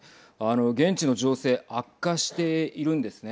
現地の情勢悪化しているんですね。